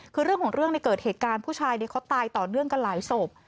คือเรื่องของเรื่องเกิดเหตุการณ์ผู้ชายเขาตายต่อเนื่องกันหลายศพ